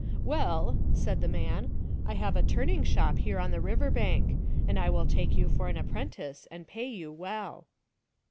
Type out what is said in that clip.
" Well," said the man, " I have a turning shop here on the river bank, and I will take you for an apprentice and pay you well."